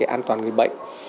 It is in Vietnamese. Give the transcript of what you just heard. an toàn người bệnh